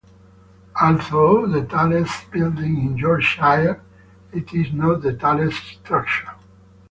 Although the tallest building in Yorkshire, it is not the tallest structure.